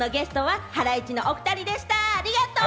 ありがとう。